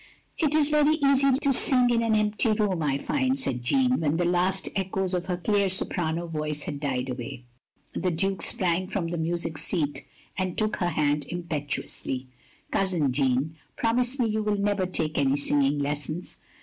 "It is very easy to sing in an empty room, I find, " said Jeanne, when the last echoes of her clear soprano voice had died away. The Duke sprang from the music seat, and took her hand impetuously. "Cousin Jeanne, promise me you will never take any singing lessons?"